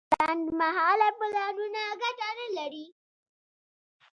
لنډمهاله پلانونه ګټه نه لري.